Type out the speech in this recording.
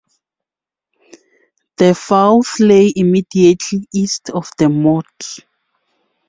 The fourth lay immediately east of the moat.